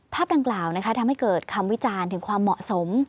ภาพดังกล่าวทำให้เกิดคำวิจารณ์ถึงความเหมาะสม